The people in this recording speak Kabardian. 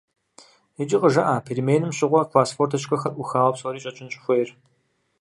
Иджы къыжыӀэ переменэм щыгъуэ класс форточкэхэр Ӏухауэ псори щӀэкӀын щӀыхуейр.